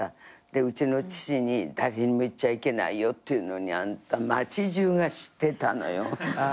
でうちの父に「誰にも言っちゃいけないよ」っていうのにあんた町じゅうが知ってたのよ。